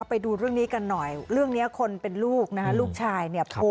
ไปดูเรื่องนี้กันหน่อยเรื่องนี้คนเป็นลูกนะฮะลูกชายเนี่ย